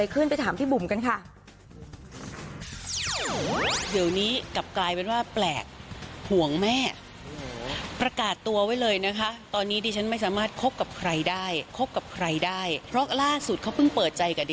ขนาดแม่แอบไปคุยโทรศัพท์